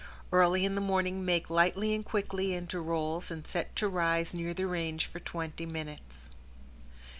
Early in the morning make lightly and quickly into rolls and set to rise near the range for twenty minutes.